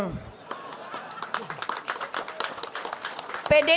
pdi perjuangan menjadi partai pelopor